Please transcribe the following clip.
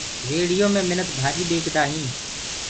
ريڙهيو مي منک ڀآڃيٚ ٻيڪدآ هينٚ